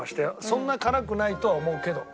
そんな辛くないとは思うけど。